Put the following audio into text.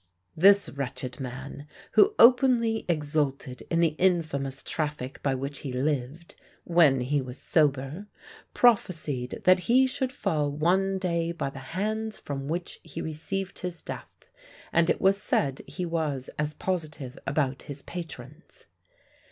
This wretched man, who openly exulted in the infamous traffic by which he lived, when he was sober, prophesied that he should fall one day by the hands from which he received his death; and it was said he was as positive about his patron's.